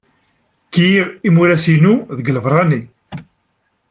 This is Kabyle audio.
Kkiɣ imuras-inu deg lbeṛṛani.